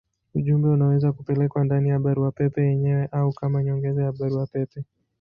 Ujumbe unaweza kupelekwa ndani ya barua pepe yenyewe au kama nyongeza ya barua pepe.